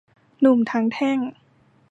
หนุ่มทั้งแท่ง